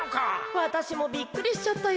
わたしもびっくりしちゃったよ。